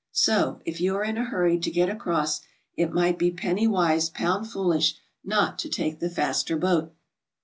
So, if you are in a hurry to get across, it might be penny wise pound foolish not to take the faster boat.